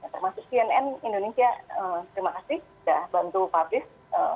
termasuk cnn indonesia terima kasih sudah bantu publis